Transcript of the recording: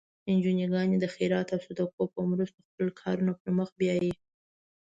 انجوګانې د خیرات او صدقو په مرستو خپل کارونه پر مخ بیایي.